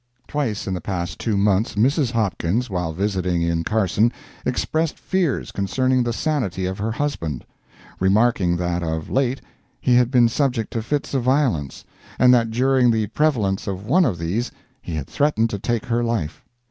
Twice in the past two months Mrs. Hopkins, while visiting in Carson, expressed fears concerning the sanity of her husband, remarking that of late he had been subject to fits of violence, and that during the prevalence of one of these he had threatened to take her life.